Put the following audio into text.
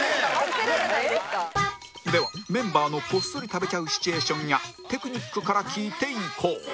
ではメンバーのこっそり食べちゃうシチュエーションやテクニックから聞いていこう